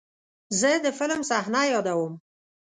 زه د فلم صحنه یادوم.